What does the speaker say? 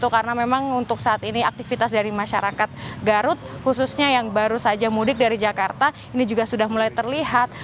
karena memang untuk saat ini aktivitas dari masyarakat garut khususnya yang baru saja mudik dari jakarta ini juga sudah mulai terlihat